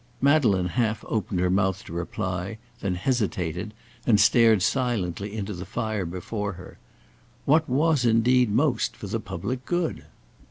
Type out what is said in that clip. Madeleine half opened her mouth to reply, then hesitated, and stared silently into the fire before her. What was indeed most for the public good?